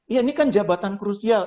ya ini kan jabatan krusial